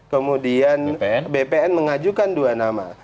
kemudian bpn mengajukan dua nama